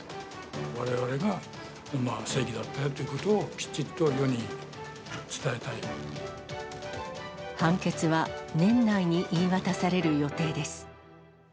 われわれが正義だったよっていうことを、判決は年内に言い渡される予定です。